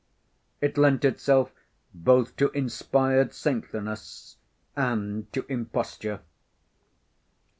It lent itself both to inspired saintliness and to imposture.